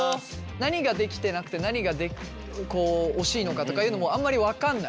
何ができてなくて何がこう惜しいのかとかいうのもあんまり分かんない？